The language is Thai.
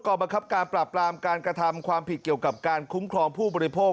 บังคับการปราบปรามการกระทำความผิดเกี่ยวกับการคุ้มครองผู้บริโภค